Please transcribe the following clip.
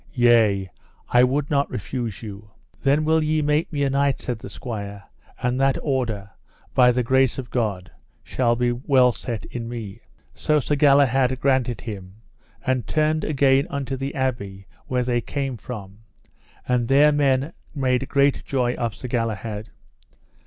If I would not refuse you. Then will ye make me a knight? said the squire, and that order, by the grace of God, shall be well set in me. So Sir Galahad granted him, and turned again unto the abbey where they came from; and there men made great joy of Sir Galahad.